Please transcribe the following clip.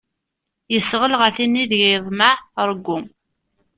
Yesɣel ɣer tinna ideg yeḍmeɛ ṛewwu.